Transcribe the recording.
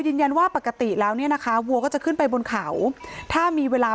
ยืนยันว่าปกติแล้วเนี่ยนะคะวัวก็จะขึ้นไปบนเขาถ้ามีเวลา